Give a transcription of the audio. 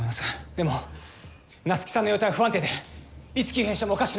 でも夏希さんの容体は不安定でいつ急変してもおかしくないんです。